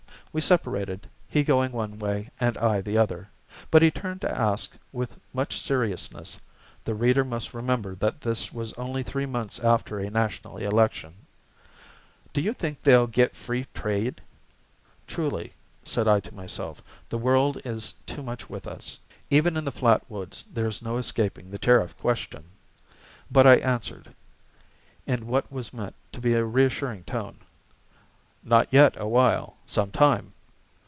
We separated, he going one way and I the other; but he turned to ask, with much seriousness (the reader must remember that this was only three months after a national election), "Do you think they'll get free trade?" "Truly," said I to myself, "'the world is too much with us.' Even in the flat woods there is no escaping the tariff question." But I answered, in what was meant to be a reassuring tone, "Not yet awhile. Some time."